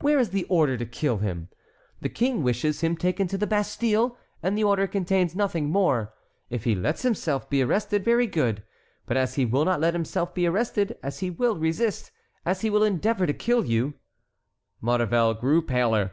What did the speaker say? Where is the order to kill him? The King wishes him taken to the Bastille, and the order contains nothing more. If he lets himself be arrested, very good; but as he will not let himself be arrested, as he will resist, as he will endeavor to kill you"— Maurevel grew paler.